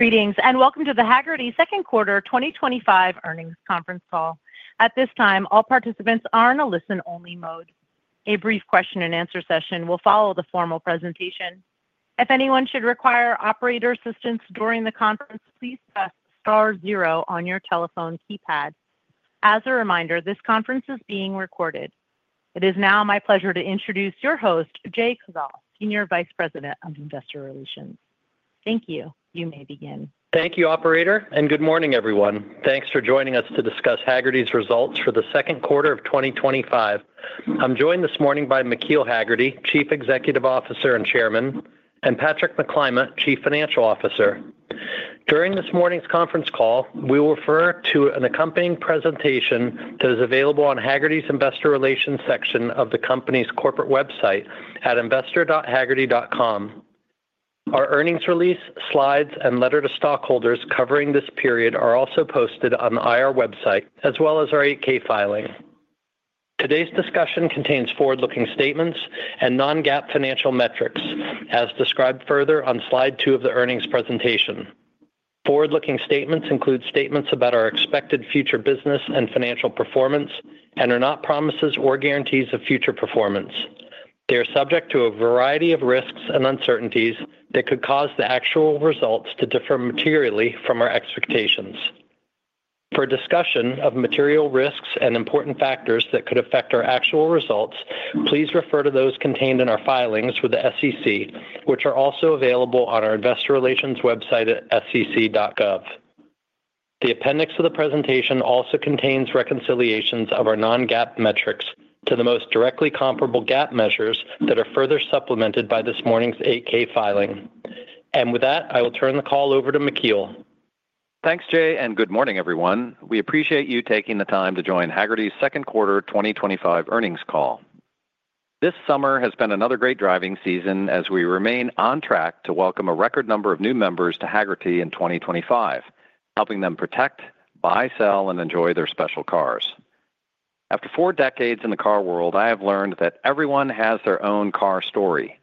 Greetings and welcome to the Hagerty Second Quarter 2025 Earnings Conference Call. At this time, all participants are in a listen-only mode. A brief question and answer session will follow the formal presentation. If anyone should require operator assistance during the conference, please press star zero on your telephone keypad. As a reminder, this conference is being recorded. It is now my pleasure to introduce your host, Jay Koval, Senior Vice President of Investor Relations. Thank you. You may begin. Thank you, Operator, and good morning, everyone. Thanks for joining us to discuss Hagerty's results for the second quarter of 2025. I'm joined this morning by McKeel Hagerty, Chief Executive Officer and Chairman, and Patrick McClymont, Chief Financial Officer. During this morning's conference call, we will refer to an accompanying presentation that is available on Hagerty's Investor Relations section of the company's corporate website at investor.hagerty.com. Our earnings release slides and letter to stockholders covering this period are also posted on the IR website, as well as our 8-K filing. Today's discussion contains forward-looking statements and non-GAAP financial metrics, as described further on slide 2 of the earnings presentation. Forward-looking statements include statements about our expected future business and financial performance and are not promises or guarantees of future performance. They are subject to a variety of risks and uncertainties that could cause the actual results to differ materially from our expectations. For discussion of material risks and important factors that could affect our actual results, please refer to those contained in our filings for the SEC, which are also available on our Investor Relations website at sec.gov. The appendix of the presentation also contains reconciliations of our non-GAAP metrics to the most directly comparable GAAP measures that are further supplemented by this morning's 8-K filing. With that, I will turn the call over to McKeel. Thanks, Jay, and good morning, everyone. We appreciate you taking the time to join Hagerty's Second Quarter 2025 Earnings Call. This summer has been another great driving season as we remain on track to welcome a record number of new members to Hagerty in 2025, helping them protect, buy, sell, and enjoy their special cars. After four decades in the car world, I have learned that everyone has their own car story,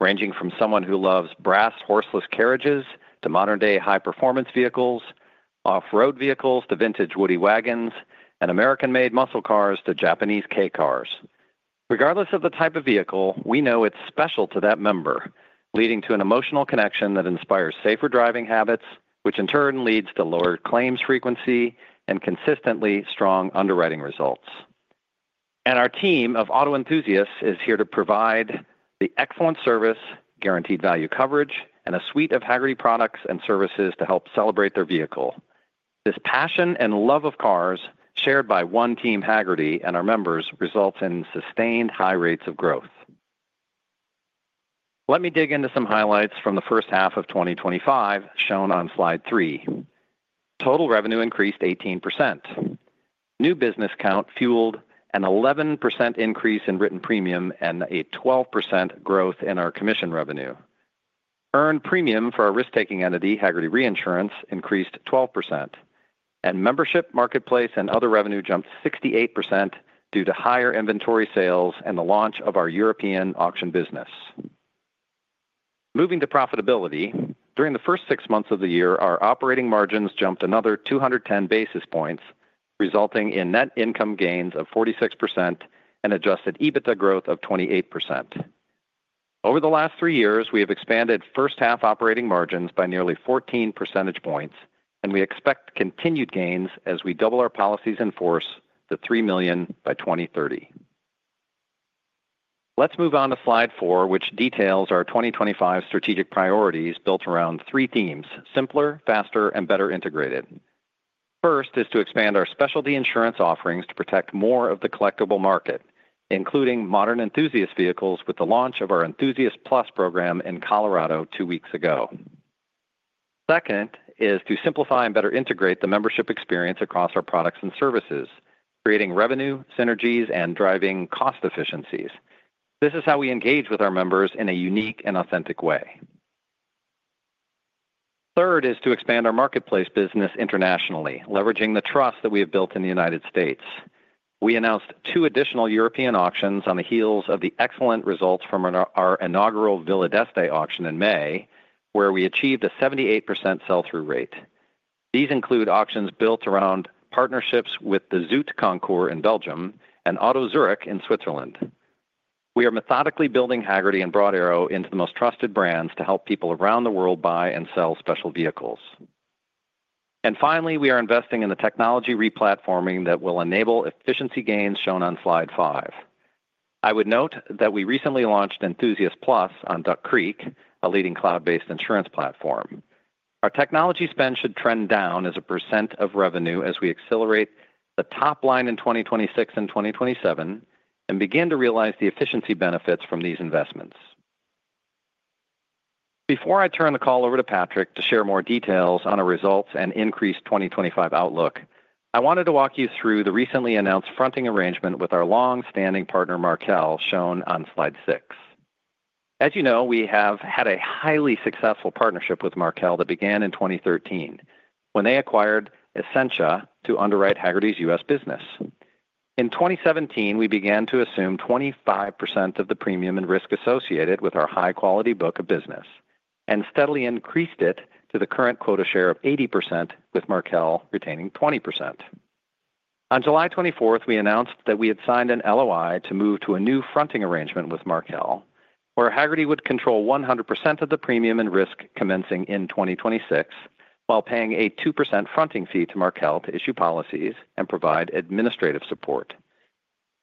ranging from someone who loves brass horseless carriages to modern-day high-performance vehicles, off-road vehicles to vintage woody wagons, and American-made muscle cars to Japanese kei cars. Regardless of the type of vehicle, we know it's special to that member, leading to an emotional connection that inspires safer driving habits, which in turn leads to lower claims frequency and consistently strong underwriting results. Our team of auto enthusiasts is here to provide the excellent service, guaranteed value coverage, and a suite of Hagerty products and services to help celebrate their vehicle. This passion and love of cars, shared by one team Hagerty and our members, results in sustained high rates of growth. Let me dig into some highlights from the first half of 2025, shown on slide 3. Total revenue increased 18%. New business count fueled an 11% increase in written premium and a 12% growth in our commission revenue. Earned premium for our risk-taking entity, Hagerty Reinsurance, increased 12%. Membership, marketplace, and other revenue jumped 68% due to higher inventory sales and the launch of our European auction business. Moving to profitability, during the first six months of the year, our operating margins jumped another 210 basis points, resulting in net income gains of 46% and adjusted EBITDA growth of 28%. Over the last three years, we have expanded first-half operating margins by nearly 14 percentage points, and we expect continued gains as we double our policies in force to 3 million by 2030. Let's move on to slide 4, which details our 2025 strategic priorities built around three themes: simpler, faster, and better integrated. First is to expand our specialty insurance offerings to protect more of the collectible market, including modern enthusiast vehicles with the launch of our Enthusiast Plus program in Colorado two weeks ago. Second is to simplify and better integrate the membership experience across our products and services, creating revenue synergies and driving cost efficiencies. This is how we engage with our members in a unique and authentic way. Third is to expand our marketplace business internationally, leveraging the trust that we have built in the United States. We announced two additional European auctions on the heels of the excellent results from our inaugural Villa d’Este auction in May, where we achieved a 78% sell-through rate. These include auctions built around partnerships with the Zoute Concours in Belgium and Auto Zürich in Switzerland. We are methodically building Hagerty and Broad Arrow into the most trusted brands to help people around the world buy and sell special vehicles. Finally, we are investing in the technology re-platforming that will enable efficiency gains, shown on slide 5. I would note that we recently launched Enthusiast Plus on Duck Creek, a leading cloud-based insurance platform. Our technology spend should trend down as a % of revenue as we accelerate the top line in 2026 and 2027 and begin to realize the efficiency benefits from these investments. Before I turn the call over to Patrick to share more details on our results and increased 2025 outlook, I wanted to walk you through the recently announced fronting arrangement with our longstanding partner Markel, shown on slide 6. As you know, we have had a highly successful partnership with Markel that began in 2013 when they acquired Essentia to underwrite Hagerty’s U.S. business. In 2017, we began to assume 25% of the premium and risk associated with our high-quality book of business and steadily increased it to the current quota share of 80%, with Markel retaining 20%. On July 24th, we announced that we had signed an LOI to move to a new fronting arrangement with Markel, where Hagerty would control 100% of the premium and risk commencing in 2026, while paying a 2% fronting fee to Markel to issue policies and provide administrative support.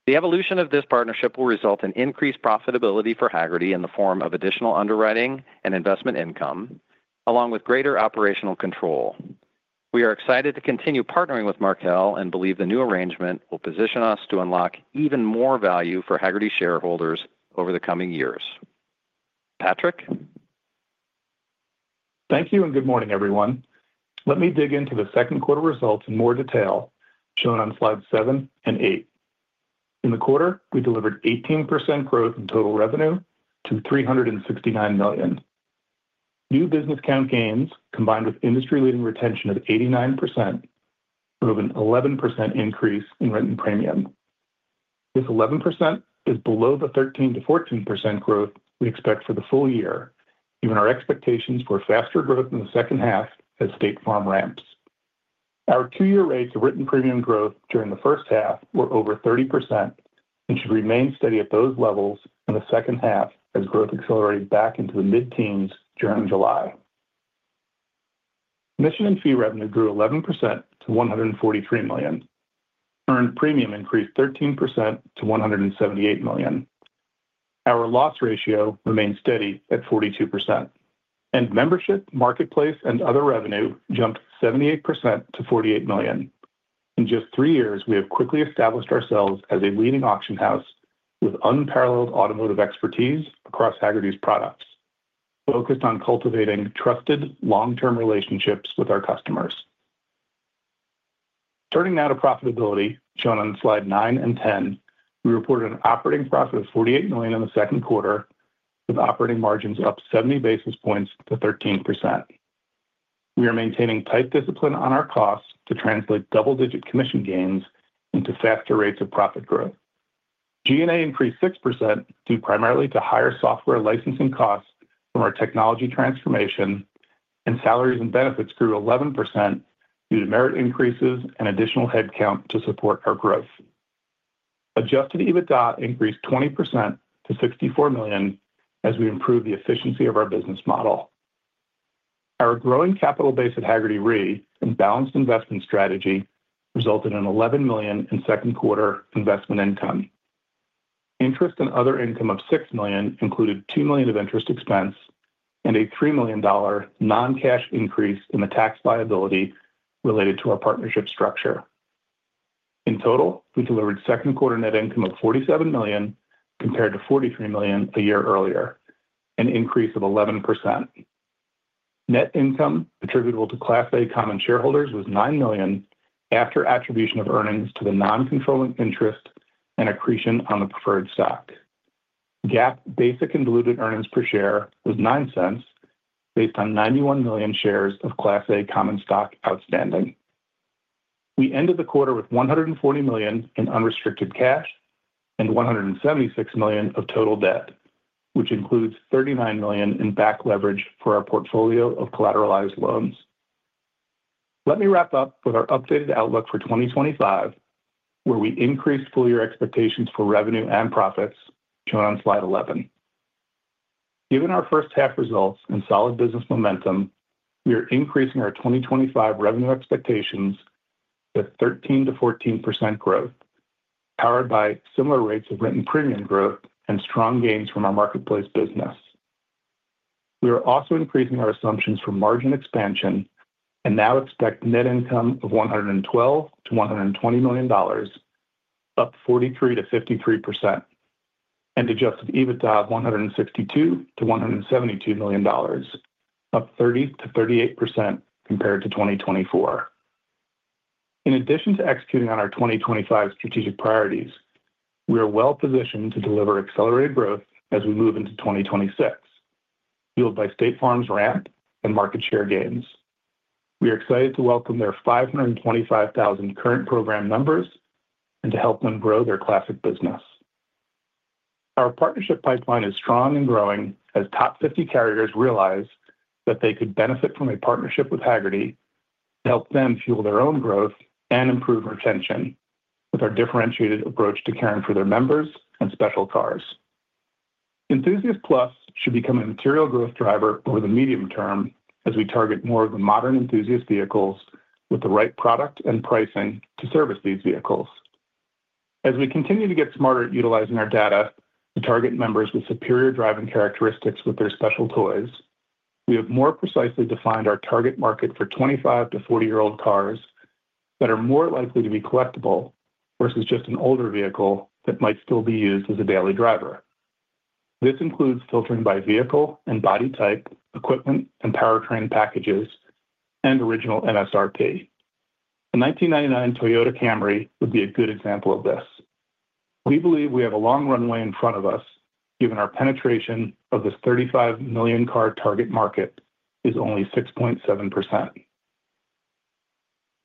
The evolution of this partnership will result in increased profitability for Hagerty in the form of additional underwriting and investment income, along with greater operational control. We are excited to continue partnering with Markel and believe the new arrangement will position us to unlock even more value for Hagerty shareholders over the coming years. Patrick? Thank you and good morning, everyone. Let me dig into the second quarter results in more detail, shown on slides 7 and 8. In the quarter, we delivered 18% growth in total revenue to $369 million. New business count gains, combined with industry-leading retention of 89%, drove an 11% increase in written premium. This 11% is below the 13%-14% growth we expect for the full year, given our expectations for faster growth in the second half as State Farm ramps. Our two-year rates of written premium growth during the first half were over 30% and should remain steady at those levels in the second half as growth accelerated back into the mid-teens during July. Commission and fee revenue grew 11% to $143 million. Earned premium increased 13% to $178 million. Our loss ratio remains steady at 42%. Membership, marketplace, and other revenue jumped 78% to $48 million. In just three years, we have quickly established ourselves as a leading auction house with unparalleled automotive expertise across Hagerty's products, focused on cultivating trusted long-term relationships with our customers. Turning now to profitability, shown on slides 9 and 10, we reported an operating profit of $48 million in the second quarter, with operating margins up 70 basis points to 13%. We are maintaining tight discipline on our costs to translate double-digit commission gains into faster rates of profit growth. G&A increased 6% due primarily to higher software licensing costs from our technology transformation, and salaries and benefits grew 11% due to merit increases and additional headcount to support our growth. Adjusted EBITDA increased 20% to $64 million as we improved the efficiency of our business model. Our growing capital base at Hagerty Re and balanced investment strategy resulted in $11 million in second quarter investment income. Interest and other income of $6 million included $2 million of interest expense and a $3 million non-cash increase in the tax liability related to our partnership structure. In total, we delivered second quarter net income of $47 million compared to $43 million a year earlier, an increase of 11%. Net income attributable to Class A common shareholders was $9 million after attribution of earnings to the non-controlling interest and accretion on the preferred stock. GAAP basic and diluted earnings per share was $0.09 based on 91 million shares of Class A common stock outstanding. We ended the quarter with $140 million in unrestricted cash and $176 million of total debt, which includes $39 million in back leverage for our portfolio of collateralized loans. Let me wrap up with our updated outlook for 2025, where we increased full-year expectations for revenue and profits, shown on slide 11. Given our first half results and solid business momentum, we are increasing our 2025 revenue expectations with 13%-14% growth, powered by similar rates of written premium growth and strong gains from our marketplace business. We are also increasing our assumptions for margin expansion and now expect net income of $112 million-$120 million, up 43%-53%, and adjusted EBITDA of $162 million-$172 million, up 30%-38% compared to 2024. In addition to executing on our 2025 strategic priorities, we are well positioned to deliver accelerated growth as we move into 2026, fueled by State Farm's ramp and market share gains. We are excited to welcome their 525,000 current program members and to help them grow their classic business. Our partnership pipeline is strong and growing as top 50 carriers realize that they could benefit from a partnership with Hagerty to help them fuel their own growth and improve retention with our differentiated approach to caring for their members and special cars. Enthusiast Plus should become a material growth driver over the medium term as we target more of the modern enthusiast vehicles with the right product and pricing to service these vehicles. As we continue to get smarter at utilizing our data to target members with superior driving characteristics with their special toys, we have more precisely defined our target market for 25 to 40-year-old cars that are more likely to be collectible versus just an older vehicle that might still be used as a daily driver. This includes filtering by vehicle and body type, equipment, and powertrain packages, and original MSRP. The 1999 Toyota Camry would be a good example of this. We believe we have a long runway in front of us, given our penetration of this 35 million car target market is only 6.7%.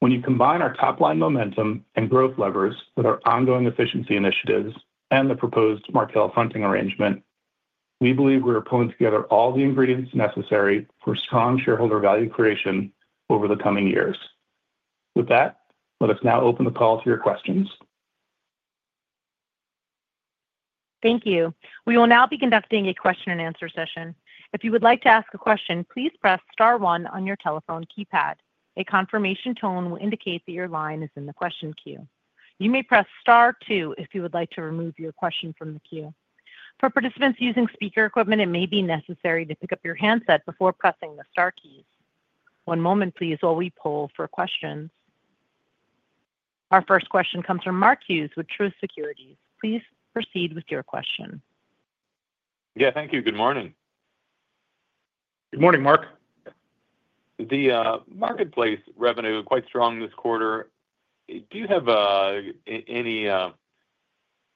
When you combine our top line momentum and growth levers with our ongoing efficiency initiatives and the proposed Markel fronting arrangement, we believe we are pulling together all the ingredients necessary for strong shareholder value creation over the coming years. With that, let us now open the call to your questions. Thank you. We will now be conducting a question and answer session. If you would like to ask a question, please press star one on your telephone keypad. A confirmation tone will indicate that your line is in the question queue. You may press star two if you would like to remove your question from the queue. For participants using speaker equipment, it may be necessary to pick up your handset before pressing the star key. One moment, please, while we poll for questions. Our first question comes from Mark Hughes with Truist Securities. Please proceed with your question. Yeah, thank you. Good morning. Good morning, Mark. The marketplace revenue is quite strong this quarter. Do you have any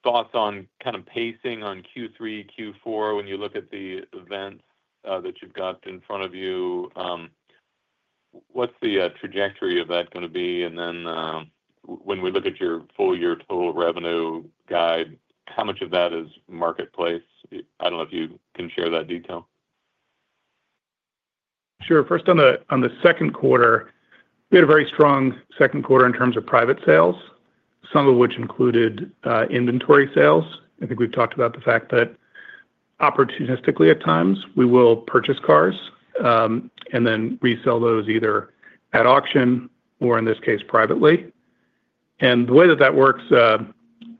thoughts on kind of pacing on Q3, Q4 when you look at the event that you've got in front of you? What's the trajectory of that going to be? When we look at your full-year total revenue guide, how much of that is marketplace? I don't know if you can share that detail. Sure. First, on the second quarter, we had a very strong second quarter in terms of private sales, some of which included inventory sales. I think we've talked about the fact that opportunistically at times, we will purchase cars and then resell those either at auction or in this case, privately. The way that that works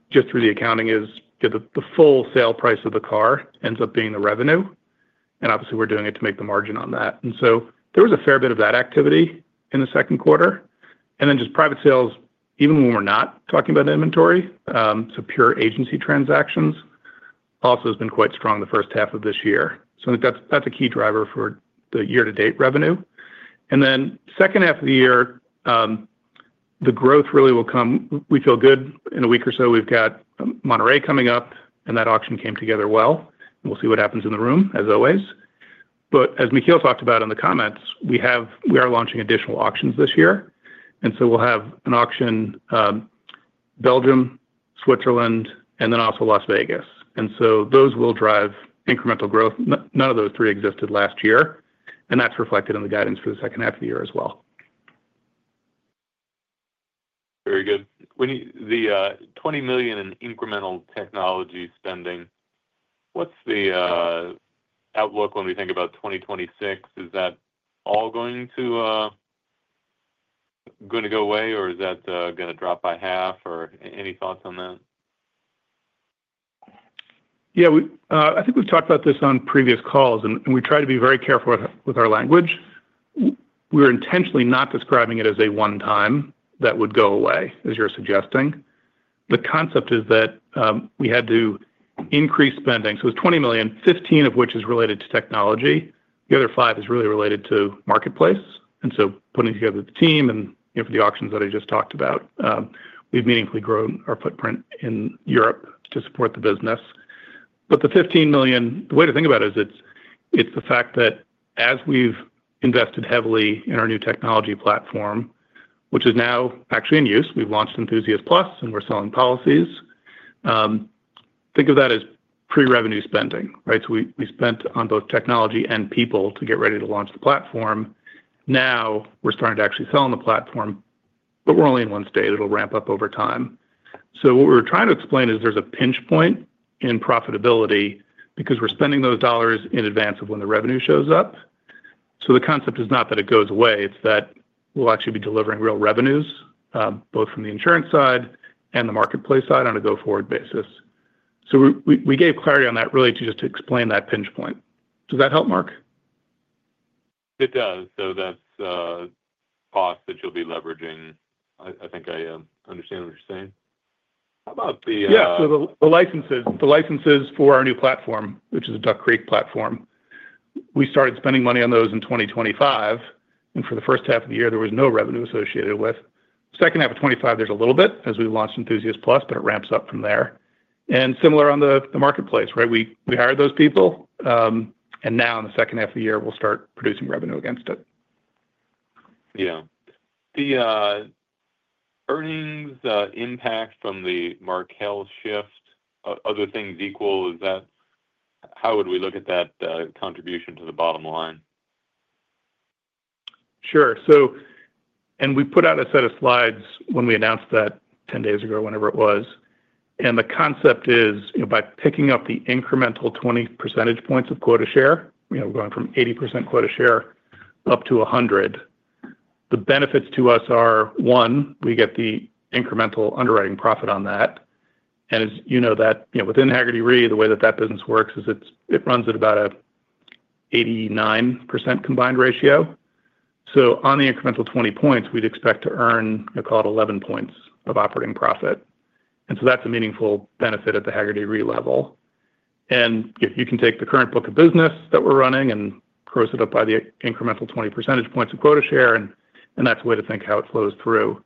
just through the accounting is the full sale price of the car ends up being the revenue. Obviously, we're doing it to make the margin on that. There was a fair bit of that activity in the second quarter. Private sales, even when we're not talking about inventory, so pure agency transactions, also have been quite strong the first half of this year. I think that's a key driver for the year-to-date revenue. The second half of the year, the growth really will come. We feel good in a week or so. We've got Monterey coming up, and that auction came together well. We'll see what happens in the room, as always. As McKeel talked about in the comments, we are launching additional auctions this year. We'll have an auction in Belgium, Switzerland, and then also Las Vegas. Those will drive incremental growth. None of those three existed last year. That's reflected in the guidance for the second half of the year as well. Very good. When you say the $20 million in incremental technology spending, what's the outlook when we think about 2026? Is that all going to go away, or is that going to drop by half, or any thoughts on that? Yeah, I think we've talked about this on previous calls, and we try to be very careful with our language. We're intentionally not describing it as a one-time that would go away, as you're suggesting. The concept is that we had to increase spending. It's $20 million, $15 million of which is related to technology. The other $5 million is really related to marketplace. Putting together the team and for the auctions that I just talked about, we've meaningfully grown our footprint in Europe to support the business. The $15 million way to think about it is it's the fact that as we've invested heavily in our new technology platform, which is now actually in use, we've launched Enthusiast Plus, and we're selling policies. Think of that as pre-revenue spending, right? We spent on both technology and people to get ready to launch the platform. Now we're starting to actually sell on the platform, but we're only in one state. It'll ramp up over time. What we're trying to explain is there's a pinch point in profitability because we're spending those dollars in advance of when the revenue shows up. The concept is not that it goes away. We'll actually be delivering real revenues, both from the insurance side and the marketplace side on a go-forward basis. We gave clarity on that really to just explain that pinch point. Does that help, Mark? It does. That's costs that you'll be leveraging. I think I understand what you're saying. How about the. The licenses for our new platform, which is a Duck Creek platform, we started spending money on those in 2025. For the first half of the year, there was no revenue associated with it. The second half of 2025, there's a little bit as we launched Enthusiast Plus, but it ramps up from there. Similar on the marketplace, right? We hired those people, and now in the second half of the year, we'll start producing revenue against it. Yeah. The earnings, the impact from the Markel shift, other things equal, is that how would we look at that contribution to the bottom line? Sure. We put out a set of slides when we announced that 10 days ago, whenever it was. The concept is, by picking up the incremental 20% of quota share, going from 80% quota share up to 100%, the benefits to us are, one, we get the incremental underwriting profit on that. As you know, within Hagerty Re, the way that business works is it runs at about an 89% combined ratio. On the incremental 20 points, we'd expect to earn, call it 11 points of operating profit. That's a meaningful benefit at the Hagerty Re level. If you can take the current book of business that we're running and gross it up by the incremental 20% of quota share, that's a way to think how it flows through.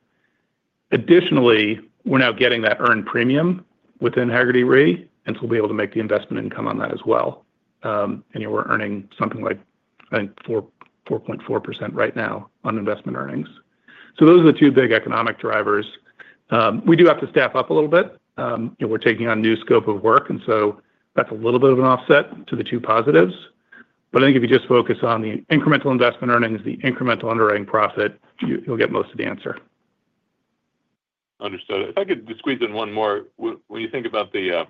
Additionally, we're now getting that earned premium within Hagerty Re, so we'll be able to make the investment income on that as well. We're earning something like, I think, 4.4% right now on investment earnings. Those are the two big economic drivers. We do have to step up a little bit. We're taking on a new scope of work, and that's a little bit of an offset to the two positives. I think if you just focus on the incremental investment earnings, the incremental underwriting profit, you'll get most of the answer. Understood. If I could squeeze in one more, when you think about the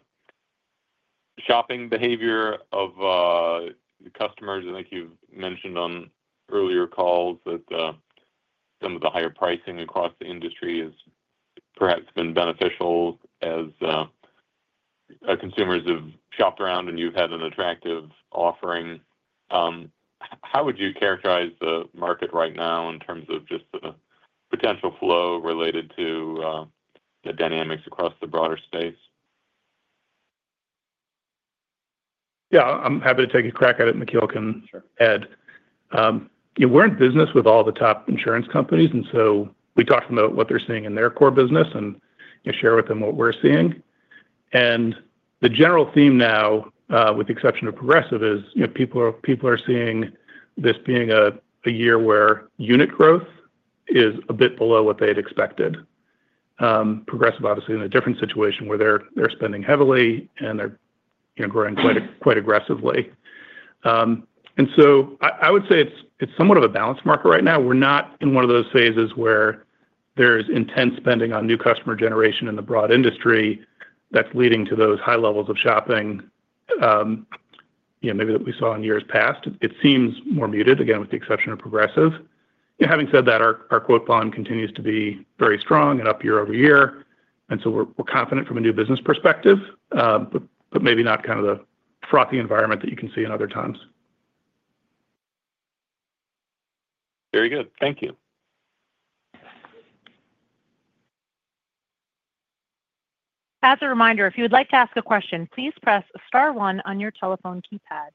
shopping behavior of the customers, I think you've mentioned on earlier calls that some of the higher pricing across the industry has perhaps been beneficial as consumers have shopped around and you've had an attractive offering. How would you characterize the market right now in terms of just the potential flow related to the dynamics across the broader space? Yeah, I'm happy to take a crack at it. McKeel can add. We're in business with all the top insurance companies, and we talk to them about what they're seeing in their core business and share with them what we're seeing. The general theme now, with the exception of Progressive, is people are seeing this being a year where unit growth is a bit below what they'd expected. Progressive, obviously, is in a different situation where they're spending heavily and they're growing quite aggressively. I would say it's somewhat of a balance marker right now. We're not in one of those phases where there is intense spending on new customer generation in the broad industry that's leading to those high levels of shopping, maybe that we saw in years past. It seems more muted, again, with the exception of Progressive. Having said that, our quote bond continues to be very strong and up year-over-year. We're confident from a new business perspective, but maybe not kind of the frothy environment that you can see in other times. Very good. Thank you. As a reminder, if you would like to ask a question, please press star one on your telephone keypad.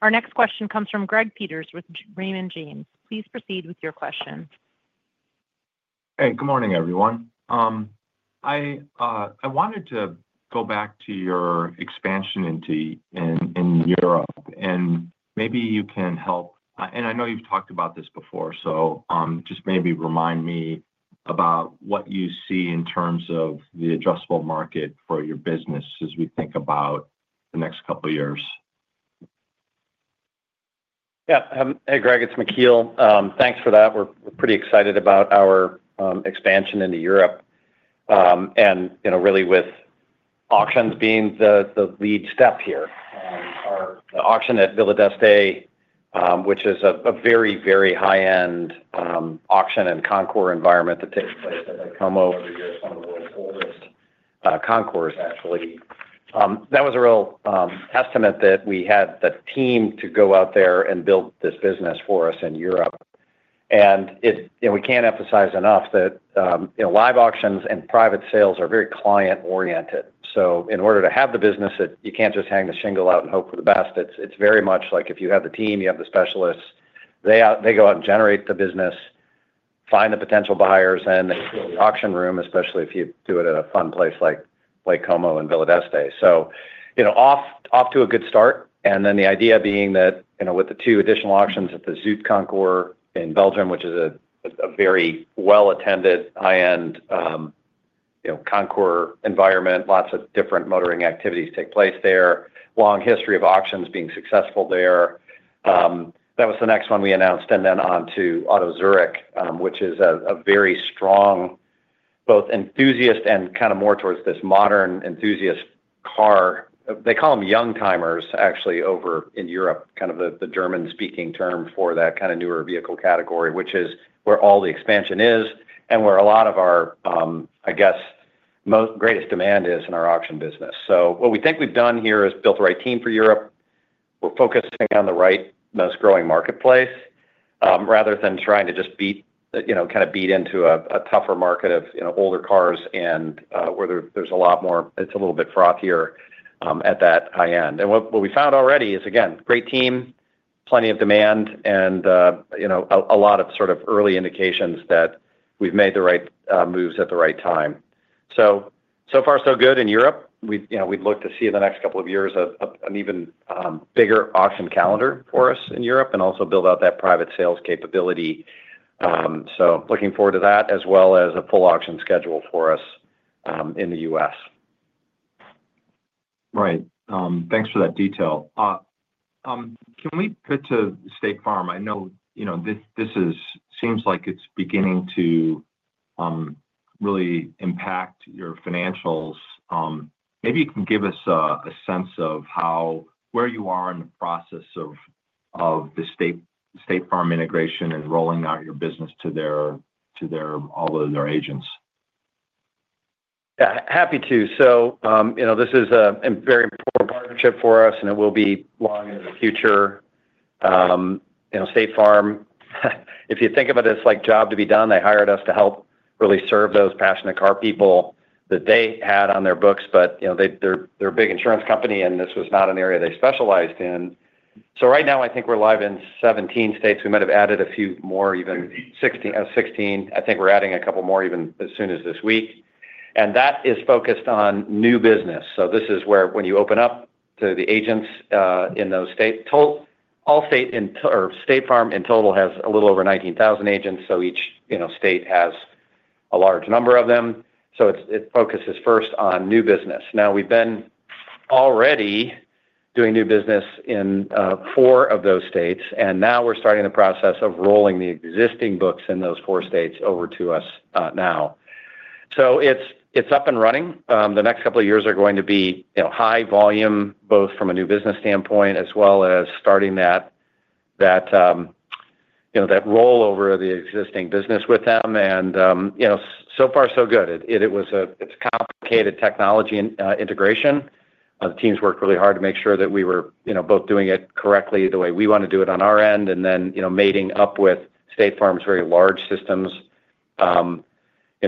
Our next question comes from Greg Peters with Raymond James. Please proceed with your question. Hey, good morning, everyone. I wanted to go back to your expansion into Europe. Maybe you can help. I know you've talked about this before, so just maybe remind me about what you see in terms of the addressable market for your business as we think about the next couple of years. Yeah. Hey, Greg, it's McKeel. Thanks for that. We're pretty excited about our expansion into Europe. You know, really with auctions being the lead step here, the auction at Villa d’Este, which is a very, very high-end auction and concours environment. Concours, hopefully. That was a real estimate that we had the team to go out there and build this business for us in Europe. We can't emphasize enough that live auctions and private sales are very client-oriented. In order to have the business, you can't just hang the shingle out and hope for the best. It's very much like if you have the team, you have the specialists, they go out and generate the business, find the potential buyers in the auction room, especially if you do it at a fun place like Como and Villa d’Este. You know, off to a good start. The idea being that, you know, with the two additional auctions at the Zoute Concours in Belgium, which is a very well-attended, high-end concours environment, lots of different motoring activities take place there, long history of auctions being successful there. That was the next one we announced. Then on to Auto Zürich, which is a very strong, both enthusiast and kind of more towards this modern enthusiast car. They call them young timers, actually, over in Europe, kind of the German-speaking term for that kind of newer vehicle category, which is where all the expansion is and where a lot of our, I guess, most greatest demand is in our auction business. What we think we've done here is built the right team for Europe. We're focusing on the right, most growing marketplace, rather than trying to just beat, you know, kind of beat into a tougher market of, you know, older cars and where there's a lot more, it's a little bit frothier at that high end. What we found already is, again, great team, plenty of demand, and, you know, a lot of sort of early indications that we've made the right moves at the right time. So far, so good in Europe. We, you know, we'd look to see in the next couple of years an even bigger auction calendar for us in Europe and also build out that private sales capability. Looking forward to that, as well as a full auction schedule for us in the U.S. Right. Thanks for that detail. Can we pivot to State Farm? I know this seems like it's beginning to really impact your financials. Maybe you can give us a sense of where you are in the process of the State Farm integration and rolling out your business to all of their agents. Happy to. This is a very important partnership for us, and it will be one of the future State Farm. If you think of it as like a job to be done, they hired us to help really serve those passionate car people that they had on their books. They're a big insurance company, and this was not an area they specialized in. Right now, I think we're live in 17 states. We might have added a few more, even 16. I think we're adding a couple more even as soon as this week. That is focused on new business. This is where when you open up to the agents in those states, State Farm in total has a little over 19,000 agents. Each state has a large number of them. It focuses first on new business. We've been already doing new business in four of those states, and now we're starting the process of rolling the existing books in those four states over to us now. It's up and running. The next couple of years are going to be high volume, both from a new business standpoint as well as starting that roll over of the existing business with them. So far, so good. It was a complicated technology integration. The teams worked really hard to make sure that we were both doing it correctly the way we want to do it on our end. Mating up with State Farm's very large systems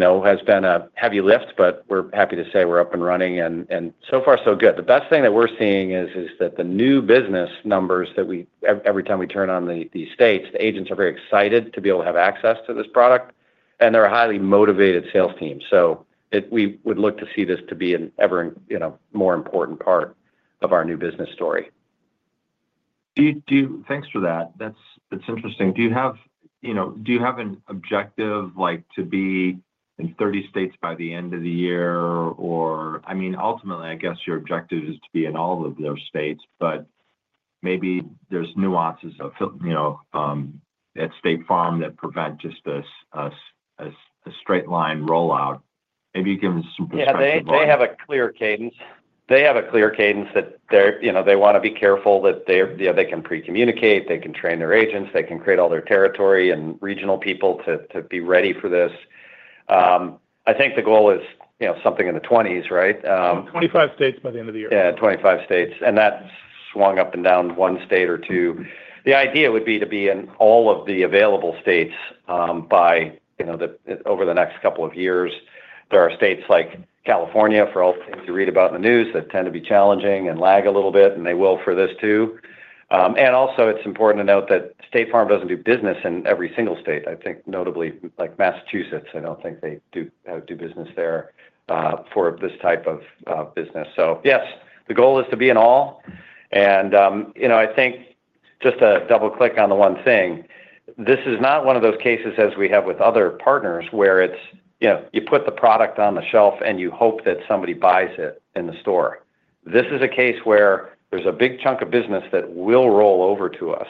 has been a heavy lift, but we're happy to say we're up and running and so far, so good. The best thing that we're seeing is that the new business numbers that we, every time we turn on the states, the agents are very excited to be able to have access to this product, and they're a highly motivated sales team. We would look to see this to be an ever more important part of our new business story. Thanks for that. That's interesting. Do you have an objective like to be in 30 states by the end of the year? I mean, ultimately, I guess your objective is to be in all of those states, but maybe there's nuances of, you know, at State Farm that prevent just a straight line rollout. Maybe you can give us some perspective. Yeah, they have a clear cadence. They have a clear cadence that they're, you know, they want to be careful that they can pre-communicate, they can train their agents, they can create all their territory and regional people to be ready for this. I think the goal is, you know, something in the 20s, right? 25 states by the end of the year. Yeah, 25 states. That swung up and down one state or two. The idea would be to be in all of the available states by, you know, over the next couple of years. There are states like California, for all the things you read about in the news, that tend to be challenging and lag a little bit, and they will for this too. It's important to note that State Farm doesn't do business in every single state. I think notably, like Massachusetts, I don't think they do business there for this type of business. Yes, the goal is to be in all. I think just to double click on the one thing, this is not one of those cases as we have with other partners where it's, you know, you put the product on the shelf and you hope that somebody buys it in the store. This is a case where there's a big chunk of business that will roll over to us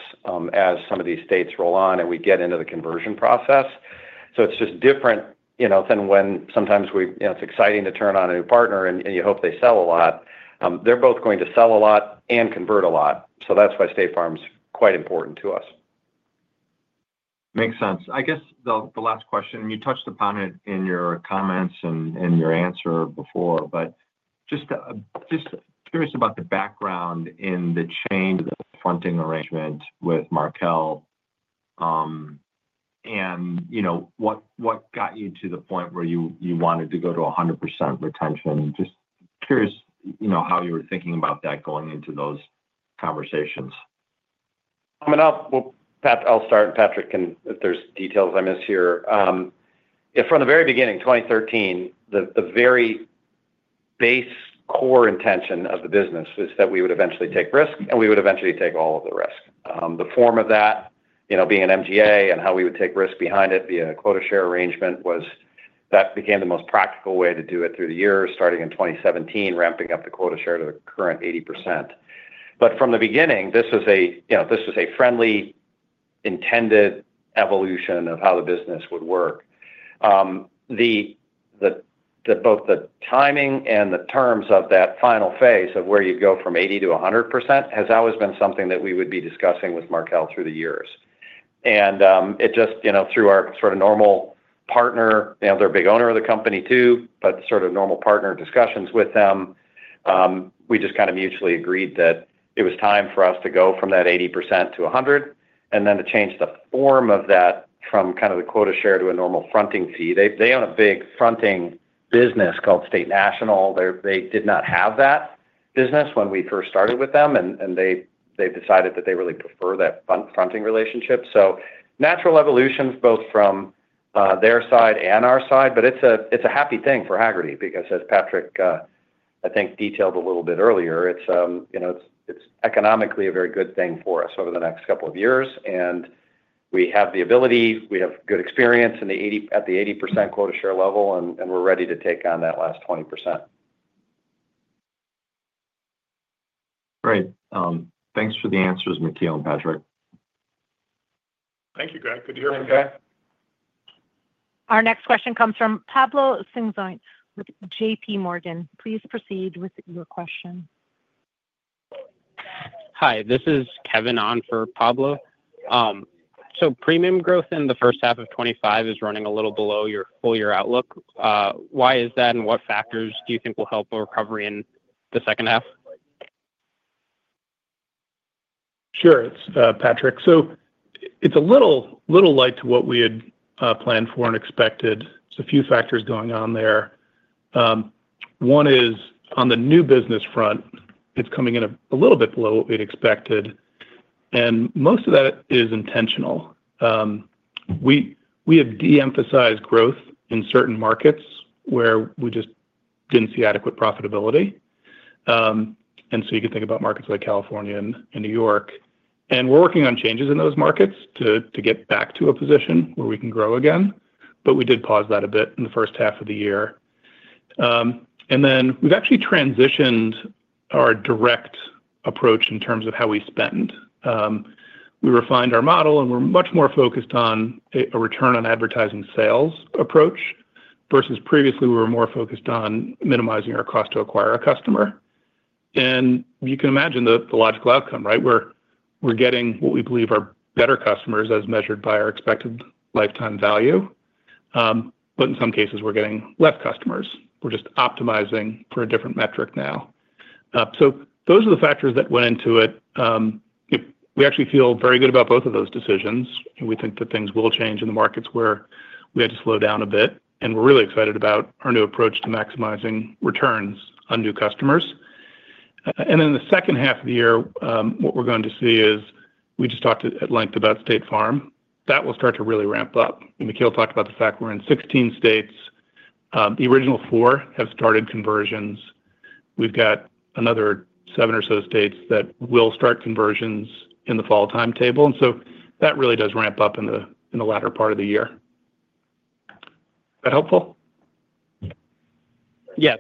as some of these states roll on and we get into the conversion process. It's just different than when sometimes we, you know, it's exciting to turn on a new partner and you hope they sell a lot. They're both going to sell a lot and convert a lot. That's why State Farm's quite important to us. Makes sense. I guess the last question, you touched upon it in your comments and your answer before, but just curious about the background in the change of the fronting arrangement with Markel. What got you to the point where you wanted to go to 100% retention? Just curious how you were thinking about that going into those conversations. I'll start, Patrick, and if there's details I missed here. From the very beginning, 2013, the very base core intention of the business was that we would eventually take risk, and we would eventually take all of the risk. The form of that, you know, being an MGA and how we would take risk behind it via a quota share arrangement was that became the most practical way to do it through the year, starting in 2017, ramping up the quota share to the current 80%. From the beginning, this was a, you know, this was a friendly, intended evolution of how the business would work. Both the timing and the terms of that final phase of where you go from 80% to 100% has always been something that we would be discussing with Markel through the years. It just, you know, through our sort of normal partner, you know, they're a big owner of the company too, but sort of normal partner discussions with them. We just kind of mutually agreed that it was time for us to go from that 80% to 100% and then to change the form of that from kind of the quota share to a normal fronting fee. They own a big fronting business called State National. They did not have that business when we first started with them, and they've decided that they really prefer that fronting relationship. Natural evolutions, both from their side and our side, but it's a happy thing for Hagerty because, as Patrick, I think, detailed a little bit earlier, it's economically a very good thing for us over the next couple of years. We have the ability, we have good experience at the 80% quota share level, and we're ready to take on that last 20%. Great. Thanks for the answers, McKeel and Patrick. Thank you, Greg. Good to hear from you guys. Our next question comes from Pablo Singzon with JPMorgan. Please proceed with your question. Hi, this is Kevin on for Pablo. Premium growth in the first half of 2025 is running a little below your full-year outlook. Why is that, and what factors do you think will help a recovery in the second half? Sure, it's Patrick. It's a little light to what we had planned for and expected. There are a few factors going on there. One is on the new business front, it's coming in a little bit below what we'd expected. Most of that is intentional. We have de-emphasized growth in certain markets where we just didn't see adequate profitability. You can think about markets like California and New York. We're working on changes in those markets to get back to a position where we can grow again. We did pause that a bit in the first half of the year. We've actually transitioned our direct approach in terms of how we spend. We refined our model, and we're much more focused on a return on advertising sales approach versus previously we were more focused on minimizing our cost to acquire a customer. You can imagine the logical outcome, right? We're getting what we believe are better customers as measured by our expected lifetime value. In some cases, we're getting less customers. We're just optimizing for a different metric now. Those are the factors that went into it. We actually feel very good about both of those decisions. We think that things will change in the markets where we had to slow down a bit. We're really excited about our new approach to maximizing returns on new customers. In the second half of the year, what we're going to see is we just talked at length about State Farm. That will start to really ramp up. McKeel talked about the fact we're in 16 states. The original four have started conversions. We've got another seven or so states that will start conversions in the fall timetable. That really does ramp up in the latter part of the year. Is that helpful? Yes,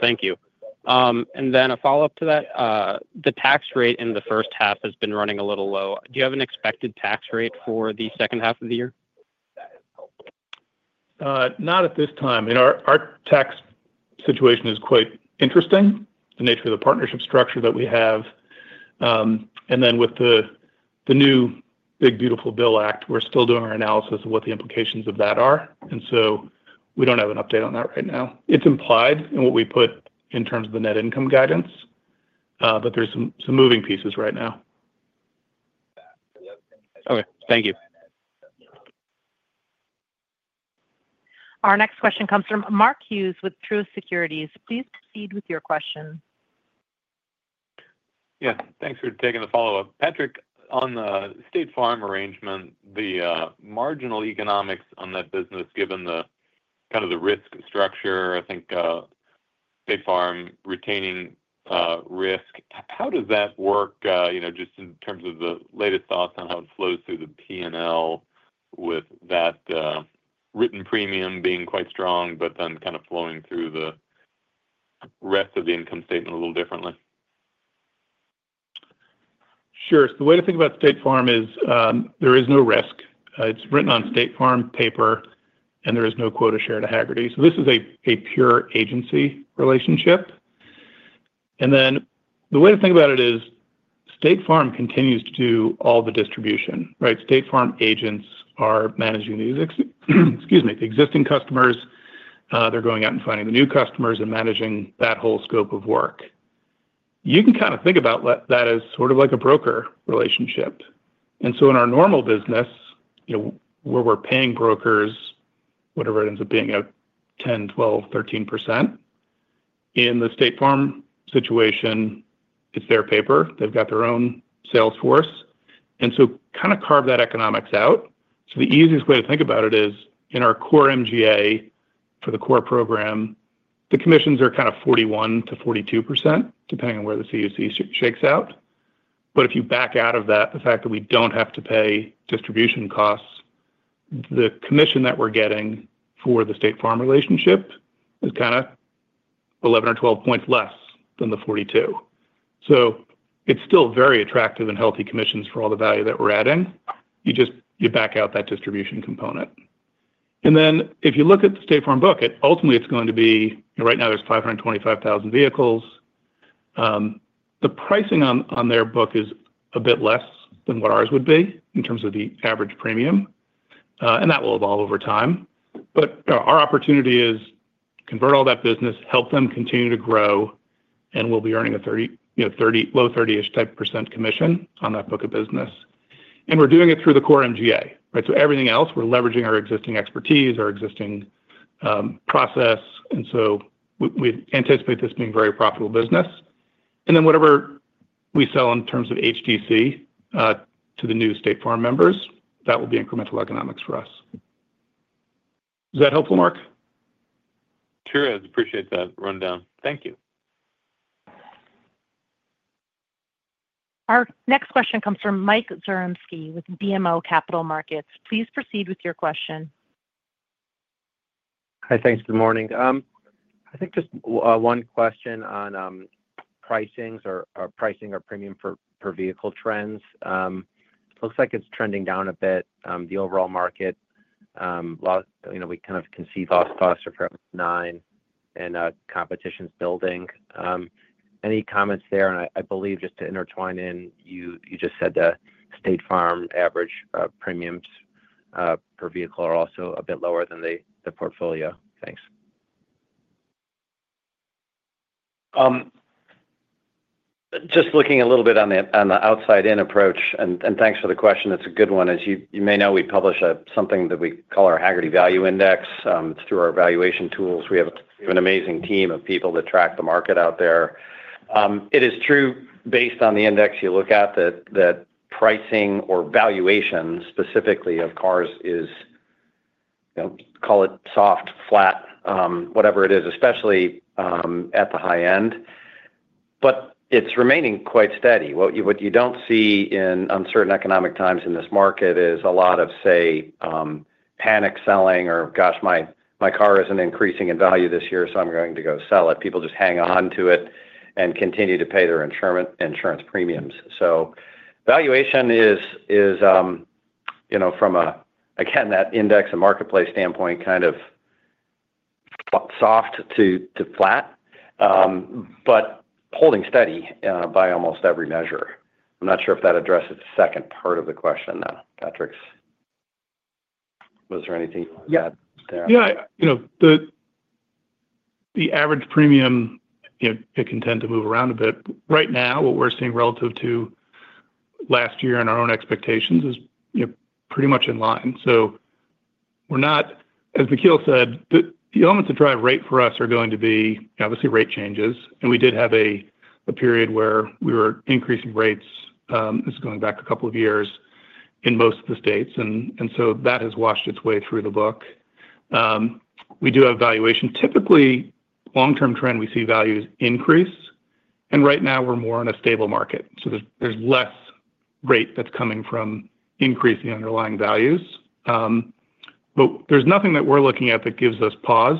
thank you. A follow-up to that, the tax rate in the first half has been running a little low. Do you have an expected tax rate for the second half of the year? Not at this time. I mean, our tax situation is quite interesting, the nature of the partnership structure that we have. With the new Big Beautiful Bill Act, we're still doing our analysis of what the implications of that are. We don't have an update on that right now. It's implied in what we put in terms of the net income guidance, but there's some moving pieces right now. Okay, thank you. Our next question comes from Mark Hughes with Truist Securities. Please proceed with your question. Yeah, thanks for taking the follow-up. Patrick, on the State Farm arrangement, the marginal economics on that business, given the kind of the risk structure, I think State Farm retaining risk, how does that work, you know, just in terms of the latest thoughts on how it flows through the P&L with that written premium being quite strong, but then kind of flowing through the rest of the income statement a little differently? Sure. The way to think about State Farm is there is no risk. It's written on State Farm paper, and there is no quota share to Hagerty. This is a pure agency relationship. The way to think about it is State Farm continues to do all the distribution, right? State Farm agents are managing the, excuse me, the existing customers. They're going out and finding the new customers and managing that whole scope of work. You can kind of think about that as sort of like a broker relationship. In our normal business, where we're paying brokers, whatever it ends up being at 10%, 12%, 13%. In the State Farm situation, it's their paper. They've got their own sales force, and so kind of carve that economics out. The easiest way to think about it is in our core MGA for the core program, the commissions are kind of 41% to 42%, depending on where the CUC shakes out. If you back out of that, the fact that we don't have to pay distribution costs, the commission that we're getting for the State Farm relationship is kind of 11 or 12 points less than the 42%. It's still very attractive and healthy commissions for all the value that we're adding. You just back out that distribution component. If you look at the State Farm book, ultimately, it's going to be, right now there's 525,000 vehicles. The pricing on their book is a bit less than what ours would be in terms of the average premium, and that will evolve over time. Our opportunity is to convert all that business, help them continue to grow, and we'll be earning a 30%, you know, 30%, low 30-ish type % commission on that book of business. We're doing it through the core MGA, right? Everything else, we're leveraging our existing expertise, our existing process, and we anticipate this being a very profitable business. Whatever we sell in terms of HDC to the new State Farm members, that will be incremental economics for us. Is that helpful, Mark? Sure is. Appreciate that rundown. Thank you. Our next question comes from Mike Zaremski with BMO Capital Markets. Please proceed with your question. Hi, thanks. Good morning. I think just one question on pricing or premium per vehicle trends. Looks like it's trending down a bit. The overall market, you know, we kind of can see loss costs are perhaps nine and competition's building. Any comments there? I believe just to intertwine in, you just said the State Farm average premiums per vehicle are also a bit lower than the portfolio. Thanks. Just looking a little bit on the outside-in approach, and thanks for the question. It's a good one. As you may know, we publish something that we call our Hagerty Value Index. It's through our valuation tools. We have an amazing team of people that track the market out there. It is true, based on the index you look at, that pricing or valuation specifically of cars is, you know, call it soft, flat, whatever it is, especially at the high end, but it's remaining quite steady. What you don't see in uncertain economic times in this market is a lot of, say, panic selling or, gosh, my car isn't increasing in value this year, so I'm going to go sell it. People just hang on to it and continue to pay their insurance premiums. So valuation is, you know, from a, again, that index and marketplace standpoint, kind of soft to flat, but holding steady by almost every measure. I'm not sure if that addresses the second part of the question, though. Patrick, was there anything you had there? Yeah, you know, the average premium, you know, it can tend to move around a bit. Right now, what we're seeing relative to last year and our own expectations is pretty much in line. We're not, as McKeel said, the elements that drive rate for us are going to be obviously rate changes. We did have a period where we were increasing rates. This is going back a couple of years in most of the states, and that has washed its way through the book. We do have valuation. Typically, long-term trend, we see values increase. Right now, we're more in a stable market, so there's less rate that's coming from increasing underlying values. There's nothing that we're looking at that gives us pause.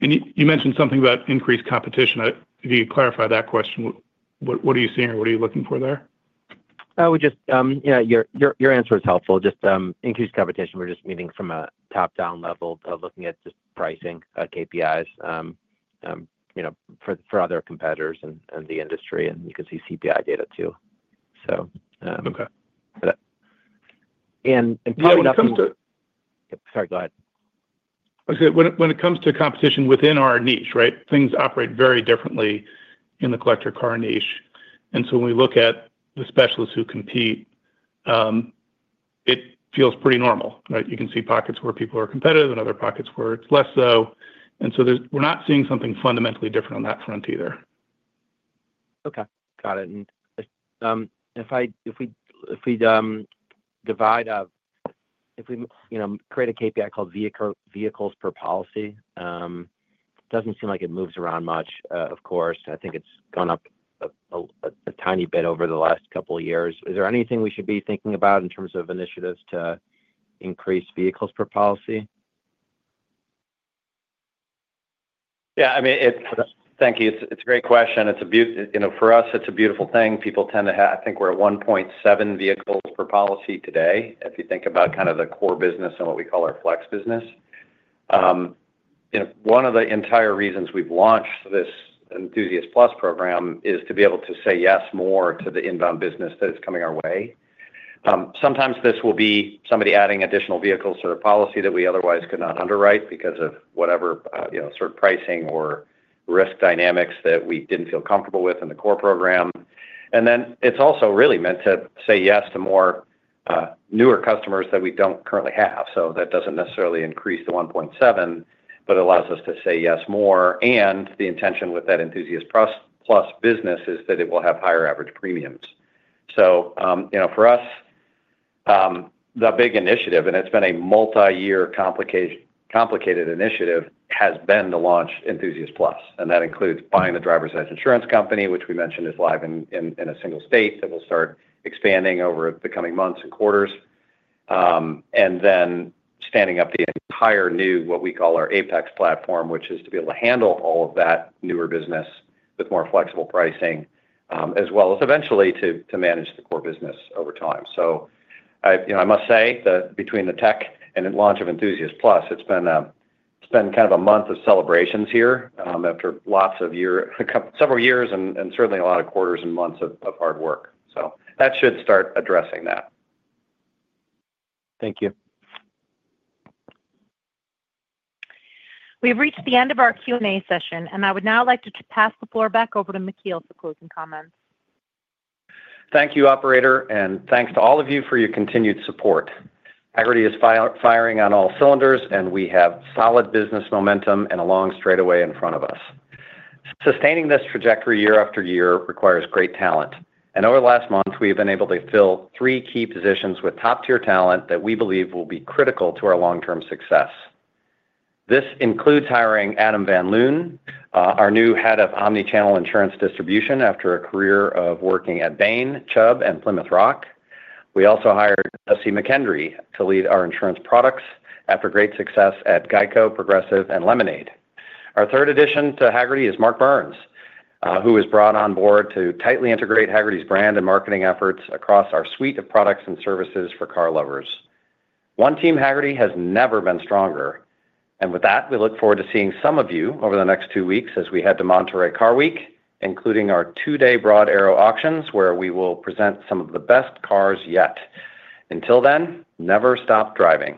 You mentioned something about increased competition. If you clarify that question, what are you seeing or what are you looking for there? Your answer is helpful. Just increased competition. We're just meeting from a top-down level to looking at just pricing KPIs for other competitors in the industry. You can see CPI data too. Okay. [crosstalk sorry, go ahead. When it comes to competition within our niche, things operate very differently in the collector car niche. When we look at the specialists who compete, it feels pretty normal. You can see pockets where people are competitive and other pockets where it's less so. We're not seeing something fundamentally different on that front either. Okay, got it. If we divide up, if we create a KPI called vehicles per policy, it doesn't seem like it moves around much, of course. I think it's gone up a tiny bit over the last couple of years. Is there anything we should be thinking about in terms of initiatives to increase vehicles per policy? Yeah, I mean, thank you. It's a great question. It's a beautiful, you know, for us, it's a beautiful thing. People tend to have, I think we're at 1.7 vehicles per policy today if you think about kind of the core business and what we call our flex business. One of the entire reasons we've launched this Enthusiast Plus program is to be able to say yes more to the inbound business that is coming our way. Sometimes this will be somebody adding additional vehicles to their policy that we otherwise could not underwrite because of whatever, you know, sort of pricing or risk dynamics that we didn't feel comfortable with in the core program. It's also really meant to say yes to more newer customers that we don't currently have. That doesn't necessarily increase the 1.7, but it allows us to say yes more. The intention with that Enthusiast Plus business is that it will have higher average premiums. For us, the big initiative, and it's been a multi-year complicated initiative, has been to launch Enthusiast Plus. That includes buying the driver's edge insurance company, which we mentioned is live in a single state that will start expanding over the coming months and quarters. Standing up the entire new, what we call our Apex platform, is to be able to handle all of that newer business with more flexible pricing, as well as eventually to manage the core business over time. I must say that between the tech and the launch of Enthusiast Plus, it's been kind of a month of celebrations here after lots of years, several years, and certainly a lot of quarters and months of hard work. That should start addressing that. Thank you. We have reached the end of our Q&A session, and I would now like to pass the floor back over to McKeel for closing comments. Thank you, Operator, and thanks to all of you for your continued support. Hagerty is firing on all cylinders, and we have solid business momentum and a long straightaway in front of us. Sustaining this trajectory year after year requires great talent. Over the last month, we have been able to fill three key positions with top-tier talent that we believe will be critical to our long-term success. This includes hiring Adam Van Loon, our new Head of Omnichannel Insurance Distribution after a career of working at Bain, Chubb, and Plymouth Rock. We also hired S.E. McHenry to lead our insurance products after great success at Geico, Progressive, and Lemonade. Our third addition to Hagerty is Marc Burns, who was brought on board to tightly integrate Hagerty's brand and marketing efforts across our suite of products and services for car lovers. One team Hagerty has never been stronger. We look forward to seeing some of you over the next two weeks as we head to Monterey Car Week, including our two-day Broad Arrow auctions where we will present some of the best cars yet. Until then, never stop driving.